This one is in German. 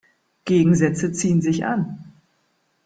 Gegensätze ziehen sich an.